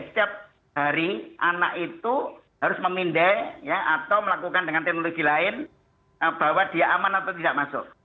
setiap hari anak itu harus memindai atau melakukan dengan teknologi lain bahwa dia aman atau tidak masuk